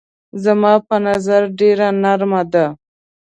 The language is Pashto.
زما په نظر ډېره نرمه ده.